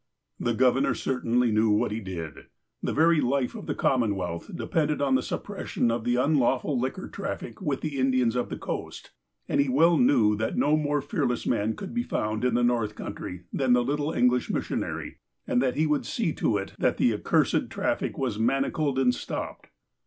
The Governor certainly knew what he did. The very life of the Commonwealth depended on the suppression of the unlawful liquor traffic with the Indians of the coast, and he well knew that no more fearless man could be found in the North Country than the little English mis sionary, and that he would see to it that the accursed traffic was manacled and stopped.